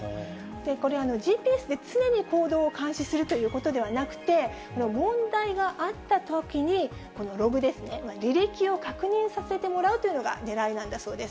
これ、ＧＰＳで常に行動を監視するということではなくて、問題があったときに、このログですね、履歴を確認させてもらうっていうのがねらいなんだそうです。